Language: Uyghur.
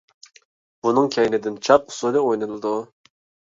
بۇنىڭ كەينىدىن چاق ئۇسسۇلى ئوينىلىدۇ.